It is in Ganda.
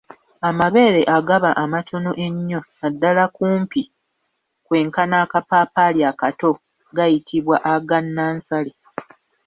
Amabeere agaba amatono ennyo ddala kumpi kwenkana akapaapaali akato gayitibwa aga nansale.